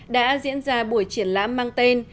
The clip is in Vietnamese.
đã diễn ra buổi triển lãm mang tên